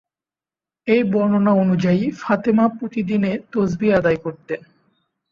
এই বর্ণনা অনুযায়ী ফাতিমা প্রতিদিন এ তাসবীহ আদায় করতেন।